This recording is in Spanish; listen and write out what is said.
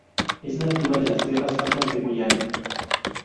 Es nativa de las tierras altas de Guyana.